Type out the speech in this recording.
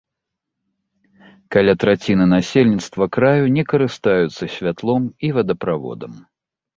Каля траціны насельніцтва краю не карыстаюцца святлом і водаправодам.